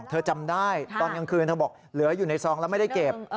จำได้ตอนกลางคืนเธอบอกเหลืออยู่ในซองแล้วไม่ได้เก็บ